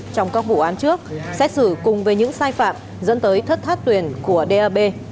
trong các vụ án trước xét xử cùng với những sai phạm dẫn tới thất thoát tuyển của dap